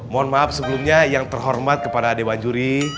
mohon maaf sebelumnya yang terhormat kepada dewan juri